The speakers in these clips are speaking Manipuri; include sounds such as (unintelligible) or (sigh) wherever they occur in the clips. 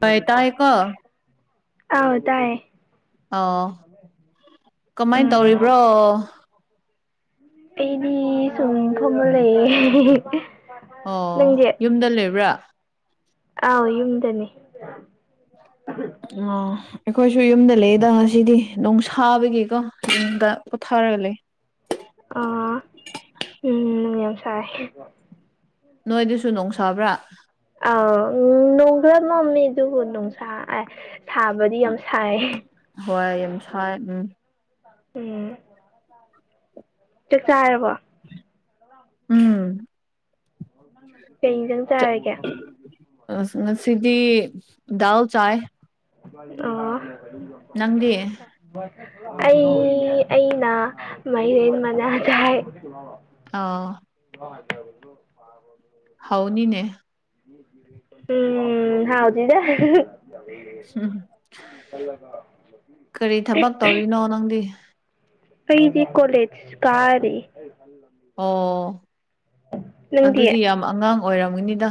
ꯇꯥꯏ ꯇꯥꯏꯌꯦꯀꯣ ꯑꯥꯎ ꯇꯥꯏꯌꯦ ꯑꯣ ꯀꯃꯥꯏ ꯇꯧꯔꯤꯕ꯭ꯔꯣ ꯎꯝ ꯑꯩꯗꯤ ꯁꯨꯝ ꯐꯝꯂ ꯂꯩꯌꯦ ꯑꯣ ꯅꯪꯗꯤ ꯌꯨꯝꯗ ꯂꯩꯕ꯭ꯔꯥ ꯑꯥꯎ ꯌꯨꯝꯗꯅꯦ ꯑꯣ ꯑꯩꯈꯣꯏꯁꯨ ꯌꯨꯝꯗ ꯂꯩꯌꯦꯗ ꯉꯁꯤꯗꯤ ꯅꯣꯡ ꯁꯥꯥꯕꯒꯤꯀꯣ ꯌꯨꯝꯗ ꯄꯣꯊꯥꯔꯒ ꯂꯩ ꯑꯥ ꯎꯝ ꯌꯥꯝ ꯁꯥꯥꯏ ꯅꯣꯏꯗꯁꯨ ꯅꯣꯡ ꯁꯥꯕ꯭ꯔꯥ ꯑꯥꯎ ꯅꯣꯡ ꯈꯔ ꯃꯝꯃꯤ ꯑꯗꯨꯕꯨ ꯅꯣꯡꯁꯥ ꯑꯥꯏ ꯁꯥꯕꯗꯤ ꯌꯥꯝ ꯁꯥꯏꯌꯦ ꯍꯣꯏ ꯌꯥꯝ ꯁꯥꯏ ꯎꯝ ꯎꯝ ꯆꯥꯛ ꯆꯥꯔꯕꯣ ꯎꯝ ꯀꯩ ꯏꯟꯖꯥꯡ ꯆꯥꯔꯒꯦ ꯑꯁ ꯉꯁꯤꯗꯤ ꯗꯥꯜ ꯆꯥꯏꯌꯦ ꯑꯣ ꯅꯪꯗꯤ (unintelligible) ꯑꯩ ꯑꯩꯅ ꯃꯥꯏꯔꯦꯟ ꯃꯅꯥ ꯆꯥꯏꯌꯦ (unintelligible) ꯑꯣ (unintelligible) ꯍꯧꯅꯤꯅꯦ (unintelligible) ꯎꯝ ꯍꯥꯎꯗꯦꯗ ꯎꯝ ꯀꯔꯤ ꯊꯕꯛ ꯇꯧꯔꯤꯅꯣ ꯅꯪꯗꯤ (unintelligible) ꯑꯩꯗꯤ ꯀꯣꯂꯦꯖ ꯀꯥꯔꯤ ꯑꯣ ꯅꯪꯗꯤ ꯑꯗꯨꯗꯤ ꯌꯥꯝ ꯑꯉꯥꯡ ꯑꯣꯏꯔꯝꯒꯅꯤꯗ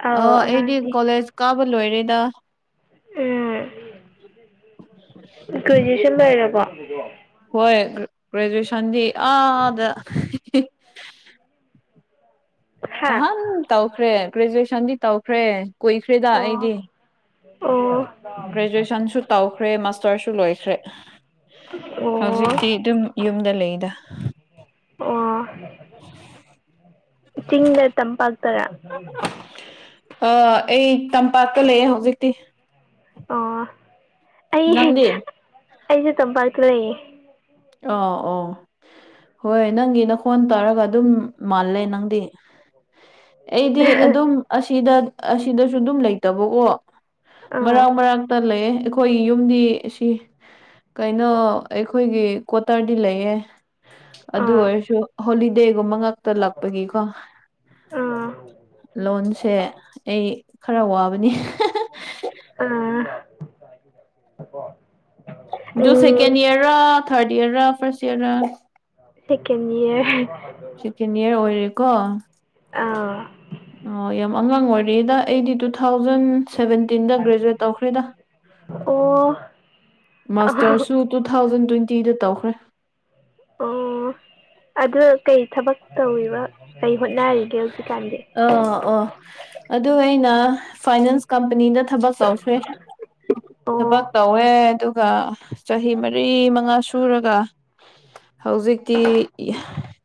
ꯑꯧ ꯑꯣ ꯑꯩꯗꯤ ꯑꯉꯥꯡꯅꯤ ꯀꯣꯂꯦꯖ ꯀꯥꯕ ꯂꯣꯏꯔꯦꯗ ꯒ꯭ꯔꯦꯖꯨꯌꯦꯁꯟ ꯂꯣꯏꯔꯕꯣ ꯍꯣꯏ ꯒ꯭ꯔꯦꯖꯨꯌꯦꯁꯟꯗꯤ ꯑꯥꯗ (inaudible) (inaudible) ꯅꯍꯥꯟ ꯇꯧꯈ꯭ꯔꯦ ꯒ꯭ꯔꯦꯖꯨꯌꯦꯁꯟꯗꯤ ꯇꯧꯈ꯭ꯔꯦ ꯀꯨꯏꯈ꯭ꯔꯦꯗ ꯑꯣ ꯑꯩꯗꯤ ꯑꯣ ꯒ꯭ꯔꯦꯖꯨꯌꯦꯁꯟꯁꯨ ꯇꯧꯈ꯭ꯔꯦ ꯃꯁꯇꯔꯁꯨ ꯂꯣꯏꯈ꯭ꯔꯦ ꯑꯣ ꯍꯧꯖꯤꯛꯇꯤ ꯑꯗꯨꯝ ꯌꯨꯝꯗ ꯂꯩꯗ ꯑꯣ ꯆꯤꯡꯗ ꯇꯝꯄꯥꯛꯇꯔꯥ ꯑꯥ ꯑꯩ ꯇꯝꯄꯥꯛꯇ ꯂꯩꯌꯦ ꯍꯧꯖꯤꯛꯇꯤ ꯑꯣ ꯅꯪꯗꯤ ꯑꯩꯁꯦ ꯇꯝꯄꯥꯛꯇ ꯂꯩꯌꯦ ꯑꯣ ꯑꯣ ꯍꯣꯏ ꯅꯪꯒꯤ ꯅꯈꯣꯟ ꯇꯥꯔꯒ ꯑꯗꯨꯝ ꯃꯥꯜꯂꯦ ꯅꯪꯗꯤ ꯑꯩꯗꯤ ꯑꯗꯨꯝ ꯑꯁꯤꯗ ꯑꯁꯤꯗꯁꯨ ꯑꯗꯨꯝ ꯂꯩꯇꯕ ꯑꯣ ꯑꯥ ꯃꯔꯥꯡ ꯃꯔꯥꯡꯇ ꯂꯩꯌꯦ ꯈꯣꯏꯒꯤ ꯌꯨꯝꯗꯤ ꯁꯤ ꯀꯩꯅꯣ ꯑꯩꯈꯣꯏꯒꯤ ꯀ꯭ꯋꯥꯇꯔꯗꯤ ꯂꯩꯌꯦ ꯑꯗꯨ ꯑꯥ ꯑꯣꯏꯔꯁꯨ ꯍꯣꯂꯤꯗꯦꯒꯨꯝꯕ ꯉꯛ ꯇꯥ ꯂꯛꯄꯒꯤꯀꯣ ꯑꯥ ꯂꯣꯟꯁꯦ ꯑꯩ ꯈꯔꯥ ꯋꯥꯕꯅꯤ ꯑꯥ ꯑꯗꯨ second um year third year first year ꯔꯥ ꯁꯦꯀꯦꯟ ꯏꯌꯥꯔ ꯁꯦꯀꯦꯟ ꯏꯌꯥꯔ ꯑꯣꯏꯔꯦꯀꯣ ꯑꯥ ꯑꯣ ꯌꯥꯝ ꯑꯉꯥꯡ ꯑꯣꯏꯔꯤꯗ ꯑꯩꯗꯤ ꯇꯨ ꯊꯥꯎꯖꯟ ꯁꯚꯦꯟ ꯇꯤꯟꯗ ꯒ꯭ꯔꯦꯖꯨꯌꯦꯠ ꯇꯧꯈ꯭ꯔꯦꯗ ꯑꯣ ꯃꯥꯁꯇꯔꯁꯨ ꯇꯨ ꯊꯥꯎꯖꯟ ꯇ꯭ꯋꯦꯟꯇꯤꯗ ꯇꯧꯈ꯭ꯔꯦ ꯑꯣ ꯑꯗꯨ ꯀꯩ ꯊꯕꯛ ꯇꯧꯔꯤꯕ ꯀꯩ ꯍꯣꯠꯅꯔꯤ ꯑꯥ ꯑꯣ ꯑꯗꯨ ꯑꯩꯅ ꯐꯥꯏꯅꯥꯟꯁ ꯀꯝꯄꯅꯤꯗ ꯊꯕꯛ ꯇꯧꯈ꯭ꯔꯦ ꯑꯣ ꯊꯕꯛ ꯇꯧꯋꯦ ꯑꯗꯨꯒ ꯆꯍꯤ ꯃꯔꯤ ꯃꯉꯥ ꯁꯨꯔꯒ ꯍꯧꯖꯤꯛꯇꯤ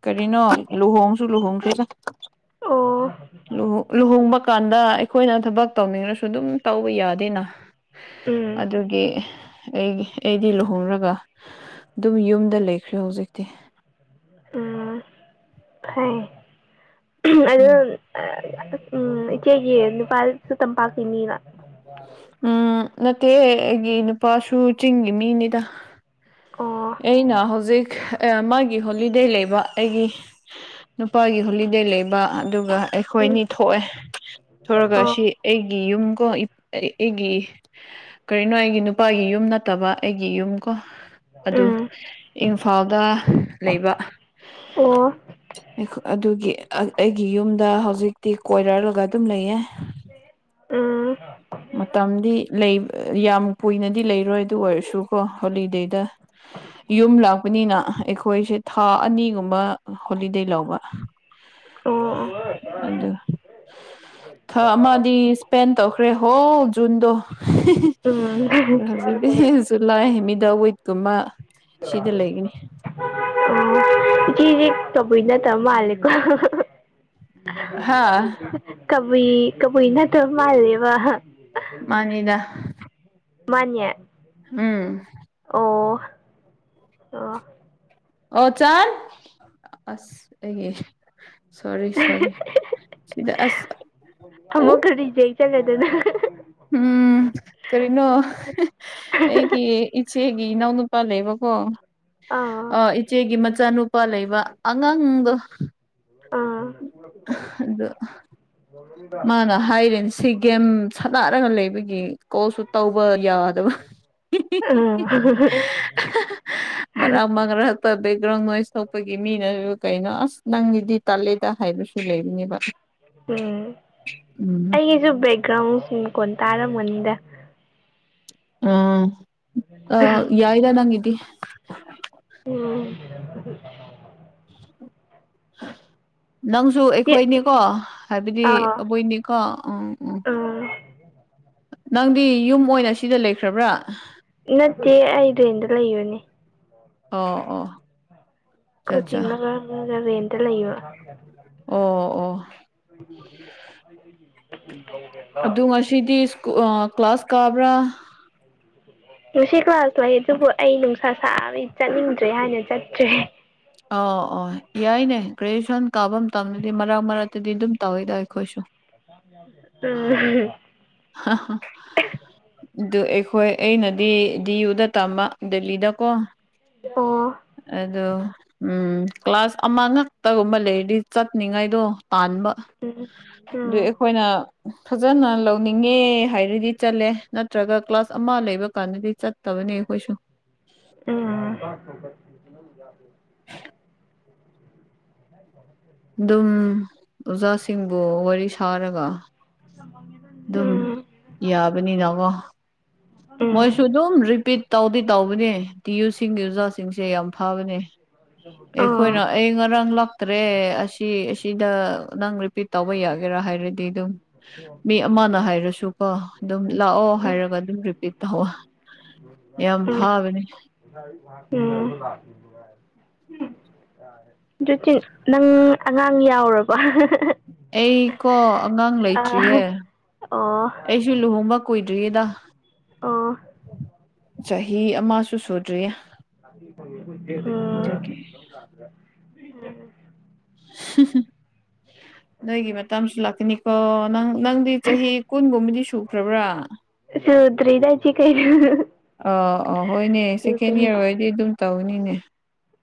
ꯀꯔꯤꯅꯣ ꯂꯨꯍꯣꯡꯁꯨ ꯂꯨꯍꯣꯡꯈ꯭ꯔꯦꯗ ꯑꯣ ꯂꯨꯍꯣꯡ ꯂꯨꯍꯣꯡꯕ ꯀꯥꯟꯗ ꯑꯩꯈꯣꯏꯅ ꯊꯕꯛ ꯇꯧꯅꯤꯡꯉꯁꯨ ꯑꯗꯨꯝ ꯇꯧꯕ ꯌꯥꯗꯦꯅ ꯎꯝ ꯑꯗꯨ ꯒꯤ ꯑꯩꯒꯤ ꯑꯩꯗꯤ ꯂꯨꯍꯣꯡꯔꯒ ꯑꯗꯨꯝ ꯌꯨꯝꯗ ꯂꯩꯈ꯭ꯔꯦ ꯍꯧꯖꯤꯛꯇꯤ ꯎꯝ ꯐꯩ ꯎꯝ ꯑꯗꯨ ꯎꯝ ꯏꯆꯦꯒꯤ ꯅꯨꯄꯥꯁꯨ ꯇꯝꯄꯥꯛꯀꯤ ꯃꯤꯔꯥ ꯎꯝ ꯅꯠꯇꯦ ꯑꯩꯒꯤ ꯅꯨꯄꯥꯁꯨ ꯆꯤꯡꯒꯤ ꯃꯤꯅꯤꯗ ꯑꯣ ꯑꯩꯅ ꯍꯧꯖꯤꯛ ꯃꯥꯒꯤ ꯍꯣꯂꯤꯗꯦ ꯂꯩꯕ ꯑꯩꯒꯤ ꯅꯨꯄꯥꯒꯤ ꯍꯣꯂꯤꯗꯦ ꯂꯩꯕ ꯑꯗꯨꯒ ꯎꯝ ꯑꯩꯈꯣꯏꯅꯤ ꯊꯣꯛꯑꯦ ꯑꯣ ꯊꯣꯛꯂꯒ ꯁꯤ ꯑꯩꯒꯤ ꯌꯨꯝꯀꯣ ꯑꯩꯒꯤ ꯀꯔꯤꯅꯣ ꯑꯩꯒꯤ ꯅꯨꯄꯥꯒꯤ ꯌꯨꯝ ꯅꯠꯇꯕ ꯑꯩꯒꯤ ꯌꯨꯝ ꯀꯣ ꯑꯗꯨ ꯎꯝ ꯏꯝꯐꯥꯜꯗ ꯂꯩꯕ ꯑꯣ ꯑꯗꯨꯒꯤ ꯑꯩꯒꯤ ꯌꯨꯝꯗ ꯍꯧꯖꯤꯛꯇꯤ ꯀꯣꯏꯔꯂꯒ ꯑꯗꯨꯝ ꯂꯩꯌꯦ ꯎꯝ ꯑꯣ ꯃꯇꯝꯗꯤ ꯂꯩ ꯌꯥꯝ ꯀꯨꯏꯅꯗꯤ ꯂꯩꯔꯣꯏ ꯑꯗꯨ ꯑꯣꯏꯔꯁꯨ ꯀꯣ ꯍꯣꯂꯤꯗꯦꯗ ꯌꯨꯝ ꯂꯥꯛꯄꯅꯤꯅ ꯑꯩꯈꯣꯏꯁꯦ ꯊꯥ ꯑꯅꯤꯒꯨꯝꯕ ꯍꯣꯂꯤꯗꯦ ꯂꯧꯕ ꯑꯣ ꯑꯗꯨ ꯊꯥ ꯑꯃꯗꯤ ꯏꯁꯄꯦꯟ ꯇꯧꯈ꯭ꯔꯦ ꯍꯣꯜ ꯖꯨꯟꯗꯣ ꯎꯝ ꯂꯩꯇꯦꯍꯦ ꯖꯨꯂꯥꯏ ꯃꯤꯗꯥꯋꯤꯠ ꯇꯨꯝꯃ ꯑꯣ ꯏꯆꯦꯖꯤ ꯀꯕꯨꯏ ꯅꯠꯇ ꯃꯥꯜꯂꯤꯀꯣ ꯍꯥ ꯀꯕꯨꯏ ꯀꯕꯨꯏ ꯅꯠꯇ ꯃꯥꯜꯂꯦꯕ ꯃꯥꯅꯤꯗ ꯃꯥꯟꯅꯦ ꯎꯝ ꯑꯣ ꯑꯥ ꯑꯣ ꯆꯥꯟ ꯑꯁ ꯑꯩꯒꯤ ꯁꯣꯔꯤ ꯁꯣꯔꯤ ꯁꯤꯗ ꯑꯁ ꯎ ꯑꯃꯨꯛꯀ ꯔꯤꯖꯦꯛ ꯆꯠꯂꯗꯅ ꯎꯝ ꯀꯔꯤꯅꯣ ꯍꯦꯡ ꯑꯩꯒꯤ ꯏꯆꯦꯒꯤ ꯏꯅꯥꯎꯅꯨꯄꯥ ꯂꯩꯕꯀꯣ ꯑꯥ ꯏꯆꯦꯒꯤ ꯃꯆꯥꯅꯨꯄꯥ ꯂꯩꯕ ꯑꯉꯥꯡꯗꯣ ꯑꯥ ꯑꯗꯨ ꯃꯥꯅ ꯍꯥꯏꯔꯤꯅꯦ ꯁꯤ ꯒꯦꯝ ꯁꯥꯟꯅꯥꯔꯒ ꯂꯩꯕꯒꯤ ꯀꯣꯜꯁꯨ ꯇꯧꯕ ꯌꯥ ꯍꯤꯍꯤ ꯎꯝ ꯍꯥꯍꯥ ꯃꯔꯛ ꯃꯔꯛ ꯄ ꯕꯦꯛꯒ꯭ꯔꯥꯎꯟ ꯅꯣꯏꯁ ꯊꯣꯛꯄꯒꯤ ꯃꯤꯅ ꯀꯩꯅꯣ ꯑꯁ ꯅꯪꯒꯤꯗꯤ ꯇꯥꯜꯂꯦꯗ ꯍꯥꯏꯕꯁꯨ ꯑꯗꯨ ꯂꯩꯕꯅꯦꯕ ꯎꯝ ꯎꯝ ꯑꯩꯒꯤꯁꯨ ꯕꯦꯛꯒ꯭ꯔꯥꯎꯟꯁꯤꯡ ꯃꯈꯣꯟ ꯇꯥꯔꯝꯒꯅꯤꯗ ꯑꯥ ꯑꯥ ꯌꯥꯏꯗ ꯅꯪ ꯒꯤꯗꯤ ꯎꯝ (inaudible) ꯅꯪꯁꯨ ꯆꯦ ꯑꯩꯈꯣꯏꯅꯤꯀꯣ ꯍꯥꯏꯕꯗꯤ ꯑꯥ ꯑꯕꯣꯏꯅꯤꯀꯣ ꯎꯝ ꯎꯝ ꯎꯝ ꯅꯪꯗꯤ ꯌꯨꯝ ꯑꯣꯏꯅ ꯁꯤꯗ ꯂꯩꯈ꯭ꯔꯕ꯭ꯔꯥ ꯅꯠꯇꯦ ꯑꯩ ꯔꯦꯟꯗ ꯂꯩꯕꯅꯦ ꯑꯣ ꯑꯣ ꯑꯠꯆꯥ ꯑꯠꯆꯥ ꯀꯣꯆꯤꯡꯅ ꯃꯔꯝ (unintelligible) ꯔꯦꯟꯇ ꯂꯩꯕ ꯑꯣ ꯑꯣ (inaudible) ꯁꯤꯗꯤ ꯑꯥ ꯀ꯭ꯂꯥꯁ ꯀꯥꯕ꯭ꯔꯥ ꯉꯁꯤ ꯀ꯭ꯂꯥꯁ ꯂꯩ ꯑꯗꯨꯕꯨ ꯑꯩ ꯅꯨꯡꯁꯥ ꯁꯥꯕꯒꯤ ꯆꯠꯅꯤꯡꯗ꯭ꯔꯦ ꯍꯥꯏꯅ ꯆꯠꯇ꯭ꯔꯦ ꯑꯥ ꯑꯣ ꯌꯥꯏꯅꯦ ꯒ꯭ꯔꯦꯖꯨꯌꯦꯁꯟ ꯀꯥꯕ ꯃꯇꯝꯗꯗꯤ ꯃꯔꯛ ꯃꯔꯛꯇꯗꯤ ꯑꯗꯨꯝ ꯇꯧꯋꯤꯗ ꯑꯩꯈꯣꯏꯁꯨ ꯎꯝ (inaudible) ꯑꯗꯨ ꯑꯩꯈꯣꯏ ꯑꯩꯅꯗꯤ ꯗꯤꯌꯨꯗ ꯇꯝꯕ ꯗꯦꯜꯂꯤꯗꯀꯣ ꯑꯣ ꯑꯗꯣ ꯎꯝ ꯀ꯭ꯂꯥꯁ ꯑꯃ ꯉꯛꯇꯒꯨꯝꯕ ꯂꯩꯔꯗꯤ ꯆꯠꯅꯤꯡꯉꯥꯏꯗꯣ ꯇꯥꯟꯕ ꯑꯗꯨꯏ ꯑꯩꯈꯣꯏꯅ ꯐꯖꯅ ꯂꯧ ꯂꯧꯅꯤꯡꯉꯦ ꯍꯥꯏꯔꯗꯤ ꯆꯠꯂꯦ ꯅꯠꯇ꯭ꯔꯒ ꯀ꯭ꯂꯥꯁ ꯑꯃ ꯂꯩꯕ ꯀꯥꯟꯗꯗꯤ ꯆꯠꯇꯕꯅꯦ ꯑꯩꯈꯣꯢꯁꯨ ꯎꯝ (inaudible) (inaudible) (inaudible) ꯑꯗꯨꯝ ꯑꯣꯖꯥꯁꯤꯡꯕꯨ ꯋꯥꯔꯤ ꯁꯥꯔꯒ ꯑꯗꯨꯝ ꯌꯥꯕꯅꯤꯅꯀꯣ ꯎꯝ ꯃꯣꯏꯁꯨ ꯑꯗꯨꯝ ꯔꯤꯄꯤꯠ ꯇꯧꯗꯤ ꯇꯧꯕꯅꯦ ꯇꯤ ꯌꯨꯁꯤꯡꯒꯤ ꯑꯣꯖꯥ ꯁꯤꯡꯁꯦ ꯌꯥꯝ ꯐꯕꯅꯦ ꯑꯣ ꯑꯩꯈꯣꯢꯅ ꯑꯩ ꯉꯔꯥꯡ ꯂꯥꯛꯇ꯭ꯔꯦ ꯑꯁꯤ ꯑꯁꯤꯗ ꯅꯪ ꯔꯤꯄꯤꯠ ꯇꯧꯕ ꯌꯥꯒꯦꯔꯥ ꯍꯥꯏꯔꯗꯤ ꯑꯗꯨꯝ ꯃꯤ ꯑꯃꯅ ꯍꯥꯏꯔꯁꯨ ꯀꯣ ꯑꯗꯨꯝ ꯂꯥꯛꯑꯣ ꯍꯥꯏꯔꯒ ꯑꯗꯨꯝ ꯔꯤꯄꯤꯠ ꯇꯧꯑꯣ ꯌꯥꯝ ꯐꯥꯕꯅꯦ꯫ ꯎꯝ꯫ ꯑꯗꯨꯗꯤ ꯅꯪ ꯑꯉꯥꯡ ꯌꯥꯎꯔꯕ? ꯑꯩ ꯀꯣ ꯑꯉꯥꯡ ꯑ ꯂꯩꯇ꯭ꯔꯤꯌꯦ꯫ ꯑꯣ꯫ ꯑꯩꯁꯨ ꯂꯨꯍꯣꯡꯕ ꯀꯨꯏꯗ꯭ꯔꯤꯌꯦꯗ꯫ ꯑꯣ ꯎꯝ ꯆꯍꯤ ꯑꯃꯁꯨ ꯁꯨꯗ꯭ꯔꯤꯌꯦ꯫ ꯑꯗꯨꯒꯤ ꯑꯣ꯫ (inaudible) ꯎꯝ꯫ ꯅꯣꯏꯒꯤ ꯃꯇꯥꯝꯁꯨ ꯂꯥꯛꯀꯅꯤꯀꯣ ꯅꯪ꯫ ꯅꯪꯗꯤ ꯆꯍꯤ ꯀꯨꯟꯒꯨꯝꯕꯗꯤ ꯁꯨꯈ꯭ꯔꯕ꯭ꯔꯥ? ꯁꯨꯗ꯭ꯔꯤꯗꯥ ꯏꯆꯦ ꯀꯩꯅꯣ꯫ ꯑꯣ ꯑꯣ ꯍꯣꯏꯅꯦ ꯁꯦꯀꯦꯟ ꯁꯨꯗ꯭ꯔꯤ ꯏꯌꯥꯔ ꯑꯣꯏꯔꯗꯤ ꯑꯗꯨꯝ ꯇꯧꯒꯅꯤꯅꯦ꯫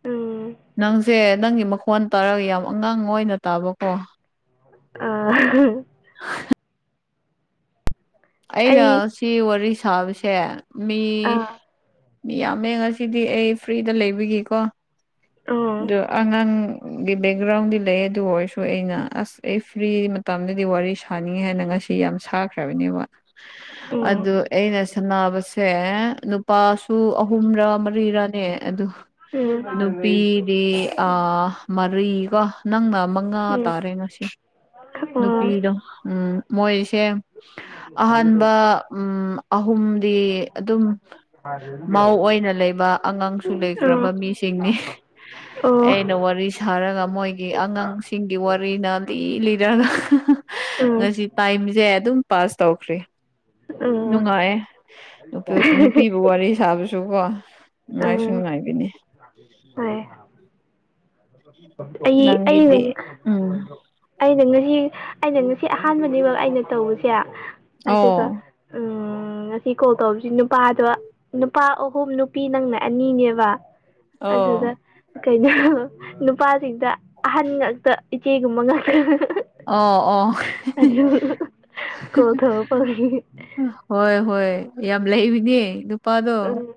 ꯎꯝ ꯅꯪꯁꯦ ꯅꯪꯒꯤ ꯃꯈꯣꯟ ꯇꯥꯔꯒ ꯌꯥꯝ ꯑꯉꯥꯡ ꯑꯣꯏꯅ ꯇꯥꯕꯀꯣ꯫ ꯑꯥ꯫ (inaudible) ꯑꯩ ꯑꯩꯅ ꯁꯤ ꯋꯥꯔꯤ ꯁꯥꯕꯁꯦ ꯃꯤ ꯑ ꯃꯤ ꯌꯥꯝꯃꯦ ꯉꯁꯤꯗꯤ ꯑꯩ ꯐ꯭ꯔꯤꯗ ꯂꯩꯕꯤꯒꯤꯀꯣ ꯗꯨ ꯎꯝ ꯑꯉꯥꯡ ꯒꯤ ꯕꯦꯛꯒ꯭ꯔꯥꯎꯟꯗꯤ ꯂꯩ ꯑꯗꯨ ꯑꯣꯏꯔꯁꯨ ꯑꯩꯅ ꯑꯁ ꯑꯩ ꯐ꯭ꯔꯤ ꯃꯇꯝꯗꯗꯤ ꯋꯥꯔꯤ ꯁꯥꯅꯤꯡꯉꯦ ꯍꯥꯏꯅ ꯉꯁꯤ ꯗꯤ ꯌꯥꯝ ꯁꯥꯈ꯭ꯔꯕꯅꯦꯕ ꯎꯝ ꯑꯗꯨ ꯑꯩꯅ ꯁꯟꯕꯁꯤ ꯁꯦ ꯅꯨꯄꯥꯁꯨ ꯑꯍꯨꯝꯔ ꯃꯔꯤꯔꯅꯦ ꯑꯗꯨ ꯎꯝ ꯎꯝ ꯑꯣ ꯑꯣ ꯑꯣ ꯑ ꯅꯨ ꯄꯤ ꯑꯥ, ꯃꯔꯤꯀꯣ ꯅꯪꯅ ꯃꯉꯥ ꯇꯥꯔꯦ ꯉꯁꯤ ꯅꯨꯄꯤꯗꯣ ꯎꯝ꯫ ꯃꯣꯏꯁꯦ ꯑꯍꯥꯟꯕ ꯎꯝ ꯑꯍꯨꯝ ꯗꯤ ꯑꯗꯨꯝ ꯃꯧ ꯑꯣꯏꯅ ꯂꯩꯕ ꯑꯉꯥꯡꯁꯨ ꯂꯩꯈ꯭ꯔꯕ ꯃꯤꯁꯤꯡꯅꯤ꯫ ꯑꯩꯅ ꯋꯥꯔꯤ ꯁꯥꯔꯒ ꯃꯣꯏꯒꯤ ꯑꯉꯥꯡ ꯁꯤꯡꯒꯤ ꯋꯥꯔꯤꯅ ꯂꯤ ꯂꯤꯔꯒ ꯉꯁꯤ ꯇꯥꯏꯝꯁꯦ ꯑꯗꯨꯝ ꯄꯥꯁ ꯇꯧꯈ꯭ꯔꯦ꯫ ꯅꯨꯡꯉꯥꯏꯌꯦ ꯅꯨꯄꯤꯒ ꯋꯥꯔꯤ ꯁꯥꯕꯁꯨꯀꯣ꯫ ꯑ ꯑ ꯉꯥꯏꯁꯨꯨꯡ ꯅꯨꯉꯥꯏꯒꯅꯤ꯫ ꯍꯣꯏ ꯑꯩ ꯑꯩ ꯍꯨꯖꯤꯛ ꯅꯪꯒꯤꯗꯤ ꯎꯝ ꯑꯩꯅ ꯉꯁꯤ ꯑꯩꯅ ꯉꯁꯤ ꯑꯍꯥꯟꯕꯅꯤꯕ ꯑꯩꯅ ꯇꯧꯕꯁꯦ ꯑꯗꯨꯒ ꯑꯣ ꯎꯝ ꯉꯁꯤ ꯀꯣꯜ ꯇꯧꯕꯁꯤ ꯅꯨꯄꯥꯗ ꯅꯨꯄꯥ ꯑꯍꯨꯝ ꯅꯨ ꯄꯤ ꯅꯪꯅ ꯑꯅꯤꯅꯦꯕ ꯑꯗꯨꯗ ꯑꯣ ꯀꯩꯅꯣ ꯅꯨꯄꯥꯁꯤꯡꯗ ꯑꯍꯟ ꯉꯥꯛꯇ ꯏꯆꯦꯒꯨꯝꯕ ꯉꯥꯛꯇ꯫ ꯑꯣ ꯑꯣ ꯑꯗꯨ ꯀꯣꯜ ꯇꯧꯔꯛꯄꯒꯤ (unintelligible) ꯍꯣꯏ ꯍꯣꯏ ꯌꯥꯝ ꯂꯩꯕꯅꯦ ꯅꯨꯄꯥꯗꯣ ꯎꯝ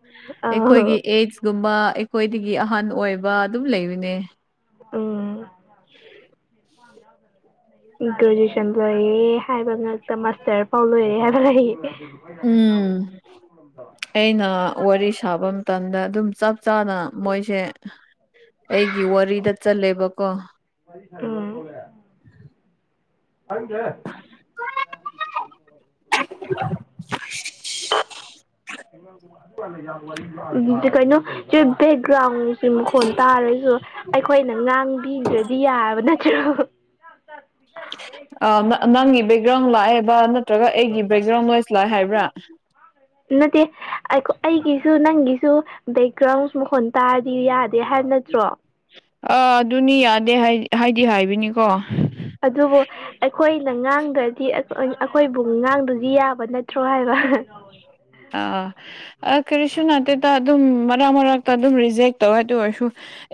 ꯑꯩꯈꯣꯏꯒꯤ ꯑꯥꯎ ꯑꯦꯖ ꯒꯨꯝꯕ ꯑꯩꯈꯣꯏꯗꯒꯤ ꯑꯍꯟ ꯑꯣꯏꯕ ꯑꯗꯨꯝ ꯂꯩꯕꯅꯦ꯫ ꯎꯝ꯫ ꯒ꯭ꯔꯦꯖꯨꯑꯦꯁꯟ ꯂꯣꯏꯌꯦ ꯍꯥꯏꯕ ꯉꯛꯇ ꯃꯥꯁꯇꯔ ꯐꯥꯎ ꯂꯣꯏꯔꯦ ꯍꯥꯏꯕ ꯂꯩ꯫ (unintelligible) ꯎꯝ ꯑꯩꯅ ꯋꯥꯔꯤ ꯁꯥꯕ ꯃꯇꯝꯗ ꯑꯗꯨꯝ ꯆꯞ ꯆꯥꯅ ꯃꯣꯏꯁꯦ, ꯑꯩꯒꯤ ꯋꯥꯔꯤꯗ ꯆꯜꯂꯦꯕꯀꯣ ꯑꯥ (inaudible) ꯈꯪꯗꯦꯍꯦ (inaudible) ꯀꯩꯅꯩ ꯁꯤ ꯕꯦꯛꯒ꯭ꯔꯥꯎꯟꯅꯤ ꯃꯈꯣꯟ ꯇꯥꯔꯁꯨ ꯑꯩꯈꯣꯏꯅ ꯉꯥꯡꯕꯤꯗ꯭ꯔꯗꯤ ꯌꯥꯕ ꯅꯠꯇ꯭ꯔꯣ ꯅꯪꯒꯤ ꯕꯦꯛꯒ꯭ꯔꯥꯎꯟ ꯂꯥꯛꯑꯦꯕ ꯅꯠꯇ꯭ꯔꯒ ꯑꯩꯒꯤ ꯕꯦꯛꯒ꯭ꯔꯥꯎꯟ ꯅꯣꯏꯁ ꯂꯥꯛꯑꯦ ꯍꯥꯏꯕ꯭ꯔꯥ ꯅꯠꯇꯦ ꯑꯩꯒꯤꯁꯨ ꯅꯪꯒꯤꯁꯨ ꯕꯦꯛꯒ꯭ꯔꯥꯎꯟ ꯃꯈꯣꯟ ꯇꯥꯔꯗꯤ ꯌꯥꯗꯦ ꯍꯥꯏꯕ ꯅꯠꯇ꯭ꯔꯣ ꯑꯥ ꯑꯗꯨꯅꯤ ꯌꯥꯗꯦ ꯍꯥꯏꯗꯤ ꯍꯥꯏꯕꯅꯤꯀꯣ ꯑꯗꯨꯕꯨ ꯑꯩꯈꯣꯏꯅ ꯉꯥꯡꯗ꯭ꯔꯗꯤ ꯑꯩꯈꯣꯏꯕꯨ ꯉꯥꯡꯗ꯭ꯔꯗꯤ ꯌꯥꯕ ꯅꯠꯇ꯭ꯔꯣ ꯍꯥꯏꯕ ꯑꯥ ꯀꯔꯤꯁꯨ ꯅꯠꯇꯦꯗ ꯑꯗꯨꯝ ꯃꯔꯛ ꯃꯔꯛꯇ ꯑꯗꯨꯝ ꯔꯤꯖꯦꯛ ꯇꯧꯌꯦ ꯑꯗꯨ ꯑꯣꯏꯔꯁꯨ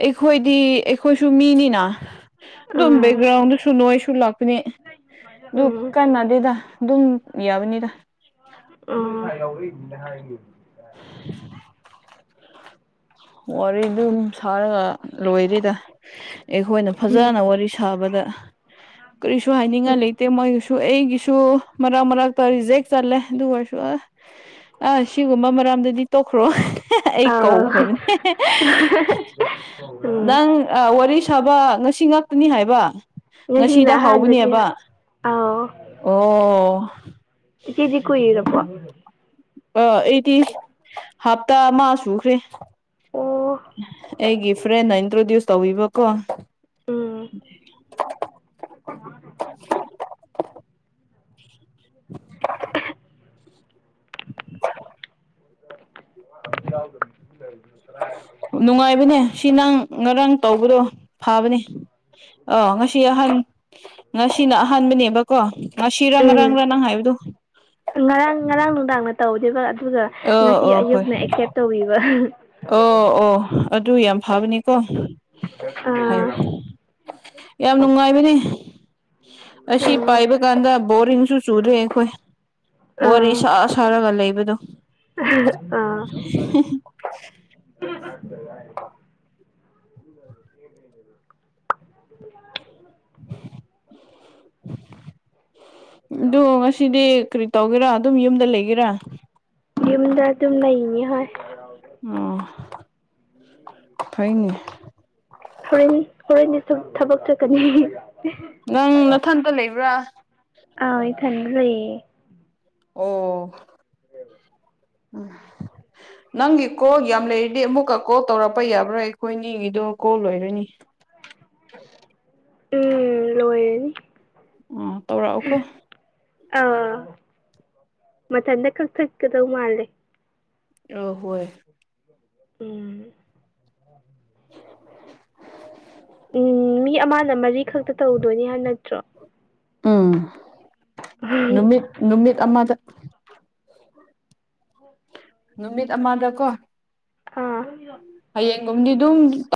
ꯑꯩꯈꯣꯏꯗꯤ ꯑꯩꯈꯣꯏꯁꯨ ꯃꯤꯅꯤꯅ ꯑꯗꯨꯝ ꯎꯝ ꯕꯦꯛꯒ꯭ꯔꯥꯎꯟꯗꯁꯨ ꯅꯣꯏꯁꯁꯨ ꯂꯥꯛꯄꯅꯤ ꯑꯗꯨ ꯎꯝ ꯀꯥꯟꯅꯗꯦꯗ ꯑꯗꯨꯝ ꯌꯥꯕꯅꯤꯗ ꯍꯥꯏ ꯌꯥꯥꯎꯔꯛꯄ ꯌꯦꯡꯒꯦꯅ ꯍꯥꯏꯈꯤꯕꯅꯦ ꯋꯥꯔꯤꯗꯨꯝ ꯁꯥꯔꯒ ꯂꯣꯏꯔꯦꯗ ꯑꯩꯈꯣꯏꯅ ꯐꯖꯅ ꯋꯥꯔꯤ ꯁꯥꯕꯗ ꯀꯔꯤꯁꯨ ꯍꯥꯏꯅꯤꯡꯉꯥꯏ ꯎꯝ ꯂꯩꯇꯦ ꯃꯣꯏꯒꯤꯁꯨ ꯁꯨ ꯑꯩꯒꯤꯁꯨ ꯃꯔꯛ ꯃꯔꯛꯇ ꯔꯤꯖꯦꯛ ꯆꯠꯂꯦ ꯑꯗꯨ ꯑꯣꯏꯔꯁꯨ ꯑꯥ ꯑꯥ ꯑꯁꯤꯒꯨꯝꯕ ꯃꯔꯝꯗꯗꯤ ꯇꯣꯛꯈ꯭ꯔꯣ ꯑꯩ ꯑꯥꯎ ꯀꯥꯎꯈ꯭ꯔꯕꯅꯦ ꯎꯝ ꯅꯪ ꯅꯪ ꯋꯥꯔꯤ ꯁꯥꯕ ꯉꯁꯤ ꯈꯛꯇꯅꯤ ꯍꯥꯏꯕ ꯉꯁꯤꯅ ꯉꯁꯤꯗ ꯑꯍꯥꯟꯕꯅꯦ ꯍꯧꯕꯅꯦꯕ ꯑꯥꯎ ꯑꯣ ꯏꯆꯦꯗꯤ ꯀꯨꯏꯔꯕꯣ ꯑꯥ ꯑꯩꯗꯤ ꯍꯞꯇꯥ ꯑꯃ ꯁꯨꯈ꯭ꯔꯦ ꯑꯣ ꯑꯩꯒꯤ ꯐ꯭ꯔꯦꯟꯅ ꯏꯟꯇ꯭ꯔꯣꯗ꯭ꯌꯨꯁ ꯇꯧꯕꯤꯕꯀꯣ ꯎꯝ (inaudible) (inaudible) ꯅꯨꯡꯉꯥꯏꯕꯅꯦ ꯁꯤ ꯅꯪ ꯉꯔꯥꯡ ꯇꯧꯕꯗꯣ ꯐꯥꯕꯅꯦ ꯑꯥ ꯉꯁꯤ ꯑꯍꯟ ꯉꯁꯤꯅ ꯑꯍꯥꯟꯕꯅꯦꯕ ꯀꯣ ꯉꯁꯤꯔ ꯎꯝ ꯉꯔꯥꯡꯔ ꯅꯪ ꯍꯥꯏꯕꯗꯨ ꯑꯥ ꯅꯨꯡꯗꯥꯡꯅ ꯇꯧꯗꯣꯏꯕ ꯑꯗꯨꯒ ꯉꯁꯤ ꯑꯣ ꯍꯣꯏ ꯑꯌꯨꯛꯅ ꯑꯦꯛꯁꯦꯞ ꯇꯧꯕꯤꯕ ꯑꯣ ꯑꯣ ꯑꯗꯨ ꯌꯥꯝ ꯐꯕꯅꯤꯀꯣ ꯍꯥꯏ ꯑꯥ ꯌꯥꯝ ꯅꯨꯡꯉꯥꯏꯕꯅꯦ ꯑꯁꯤ ꯎꯝ ꯄꯥꯏꯕ ꯀꯥꯟꯗ ꯕꯣꯔꯤꯡꯁꯨ ꯆꯨꯗꯦ ꯑꯩꯈꯣꯏ ꯋꯥꯔꯤ ꯑꯥ ꯁꯥ ꯁꯥꯔꯒ ꯂꯩꯕꯗꯣ ꯑꯥ (inaudible) (inaudible) ꯑꯗꯣ ꯉꯁꯤꯗꯤ ꯀꯔꯤ ꯇꯧꯒꯦꯔꯥ ꯑꯗꯨꯝ ꯌꯨꯝꯗ ꯂꯩꯒꯦꯔꯥ ꯌꯨꯝꯗ ꯑꯗꯨꯝ ꯂꯩꯅꯤ ꯍꯣꯏ ꯑꯣ ꯐꯩꯅꯦ ꯍꯣꯔꯦꯟ ꯍꯣꯔꯦꯟꯗꯤ ꯁꯨꯝ ꯊꯕꯛ ꯆꯠꯀꯅꯤ꯫ ꯅꯪ ꯅꯊꯟꯇ ꯂꯩꯕ꯭ꯔꯥ? ꯑꯧ ꯏꯊꯟꯗ ꯂꯩꯌꯦ ꯫ ꯑꯣ (unintelligible) ꯎꯝ ꯅꯪꯒꯤ ꯀꯣꯜ ꯌꯥꯝ ꯂꯩꯔꯤꯗꯤ ꯑꯃꯨꯛꯀ ꯀꯣꯜ ꯇꯧꯔꯛꯄ ꯌꯥꯕ꯭ꯔꯥ ꯑꯩꯈꯣꯏꯅꯤꯒꯤꯗꯣ ꯀꯣꯜ ꯂꯣꯏꯔꯅꯤ꯫ ꯎꯝ ꯂꯣꯏꯔꯅꯤ꯫ ꯎꯝ ꯇꯧꯔꯛꯑꯣꯀꯣ ꯑ ꯃꯊꯟꯗ ꯀꯛꯊꯠ ꯀꯗꯧ ꯃꯥꯂꯦ꯫ ꯑ ꯍꯣꯏ ꯎꯝ ꯎꯝ ꯃꯤ ꯑꯃꯅ ꯃꯔꯤꯈꯛꯇ ꯇꯧꯗꯣꯏꯅꯦ ꯍꯥꯏ ꯅꯠꯇ꯭ꯔꯣ? ꯎꯝ ꯅꯨꯃꯤꯠ ꯅꯨꯃꯤꯠ ꯑꯃꯗ ꯅꯨꯃꯤꯠ ꯑꯃꯗꯀꯣ ꯑꯥ ꯍꯌꯦꯡꯒꯨꯝꯗꯤ ꯑꯗꯨꯝ